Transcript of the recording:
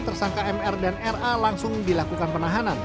tersangka mr dan ra langsung dilakukan penahanan